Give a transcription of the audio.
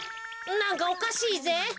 なんかおかしいぜ。